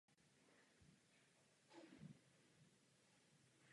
Kostel dle stavebního řadit k stavbám pozdního baroka a navazující raný klasicismus.